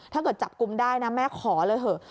ถ้าเกิดจับกลุ่มได้นะแม่ขอเลยเถอะ